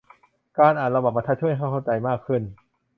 การอ่านระหว่างบรรทัดช่วยให้เข้าใจมากขึ้น